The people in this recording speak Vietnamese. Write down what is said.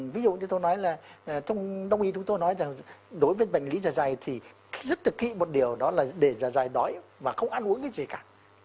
ví dụ như tôi nói là trong đồng ý chúng tôi nói là đối với bệnh lý giả dày thì rất là kỵ một điều đó là để giả dày đói và không ăn uống cái gì cả